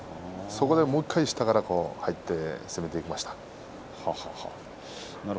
そこから下から入って攻めていきました。